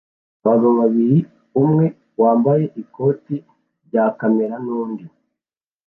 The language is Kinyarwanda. Abagabo babiri (umwe wambaye ikoti rya kamera nundi